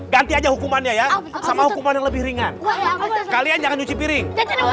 ganti aja hukumannya ya sama hukuman yang lebih ringan kalian jangan nyuci piring